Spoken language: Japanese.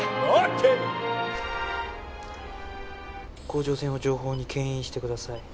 甲状腺を上方にけん引してください。